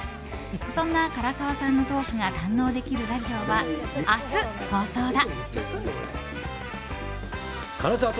そんな唐沢さんのトークが堪能できるラジオは明日放送だ！